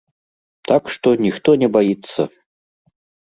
Так што, ніхто не баіцца!